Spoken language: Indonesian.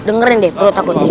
dengerin deh perut aku ini